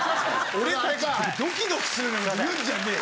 俺たちがドキドキするようなこと言うんじゃねえ。